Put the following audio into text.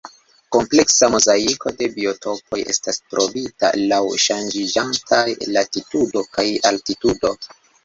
Kompleksa mozaiko de biotopoj estas trovita laŭ ŝanĝiĝantaj latitudo kaj altitudo.